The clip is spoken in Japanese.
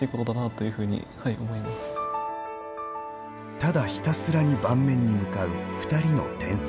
ただひたすらに盤面に向かう２人の天才。